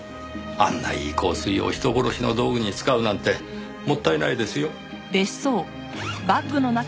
あんないい香水を人殺しの道具に使うなんてもったいないですよ。